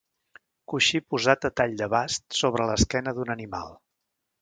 Coixí posat a tall de bast sobre l'esquena d'un animal.